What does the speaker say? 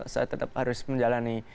saya tetap harus menjalani